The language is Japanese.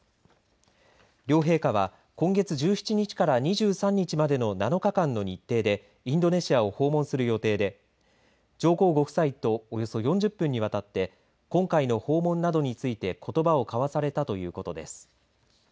両陛下は、今月１７日から２３日までの７日間の日程でインドネシアを訪問する予定で上皇ご夫妻とおよそ４０分にわたって今回の訪問などについてことばを交わされたということです。